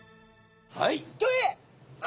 はい。